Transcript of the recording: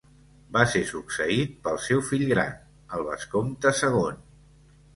Va ser succeït pel seu fill gran, el vescomte segon.